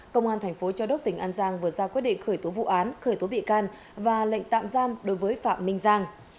công an thành phố châu đốc tỉnh an giang vừa ra quyết định khởi tố vụ án khởi tố bị can và lệnh tạm giam đối với phạm minh giang